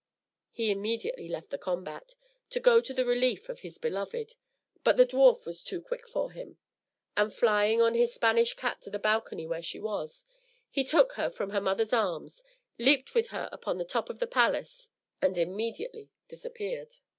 He immediately left the combat, to go to the relief of his beloved, but the dwarf was too quick for him; and flying on his Spanish cat to the balcony where she was, he took her from her mother's arms, leaped with her upon the top of the palace, and immediately disappeared.